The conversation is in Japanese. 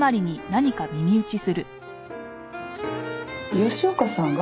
吉岡さんが？